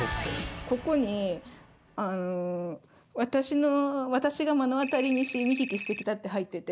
ここに「わたしが目の当たりし、見聞きしてきた」って入ってて